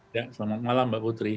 ya selamat malam mbak putri